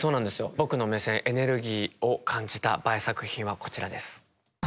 僕の目線「エネルギー」を感じたＢＡＥ作品はこちらです。